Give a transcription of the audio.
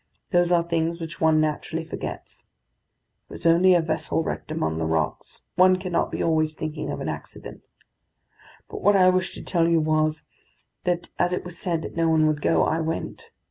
Those are things which one naturally forgets. It was only a vessel wrecked among the rocks; one cannot be always thinking of an accident. But what I wished to tell you was, that as it was said that no one would go, I went.